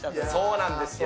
そうなんですよね。